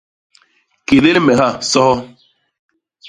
Kélél me ha, soho!.